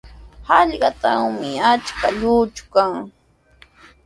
Hallqatrawmi achka lluychu kan.